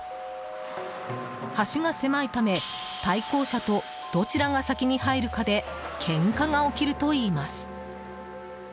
橋が狭いため対向車とどちらが先に入るかでケンカが起きるといいます。